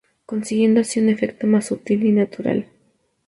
Consiguiendo así un efecto más sutil y natural.